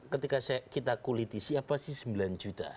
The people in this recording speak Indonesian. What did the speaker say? ketika kita kuliti siapa sih sembilan juta